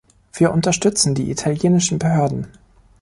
Wir unterstützen die italienischen Behörden.